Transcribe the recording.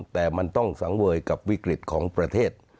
แต่มันต้องสังเวยกับวิกฤตของประเทศ